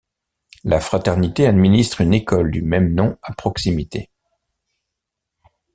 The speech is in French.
La fraternité administre une école du même nom à proximité.